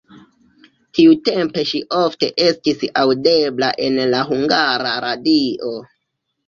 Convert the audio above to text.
Tiutempe ŝi ofte estis aŭdebla en la Hungara Radio.